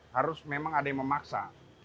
harus memang ada yang memaksa